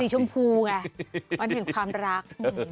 สีชมพูไงวันเห็นความรัก